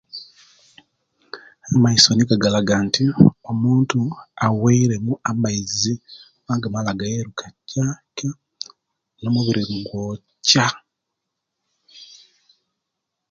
Amaiso nigo galaga nti omuntu aweremu amaizi gamala gayeruka kya kya omubiri nigwokya